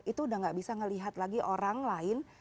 itu udah gak bisa melihat lagi orang lain